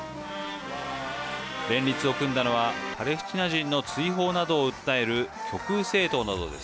連立を組んだのはパレスチナ人の追放などを訴える極右政党などです。